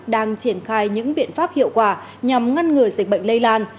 đang triển khai những biện pháp hiệu quả nhằm ngăn ngừa dịch bệnh lây lan